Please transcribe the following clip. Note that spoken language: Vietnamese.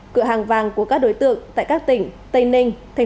cửa hàng vàng của các đối tượng tại các tỉnh tây ninh tp hcm